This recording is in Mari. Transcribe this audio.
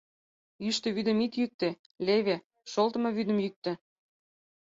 Йӱштӧ вӱдым ит йӱктӧ, леве, шолтымо вӱдым йӱктӧ.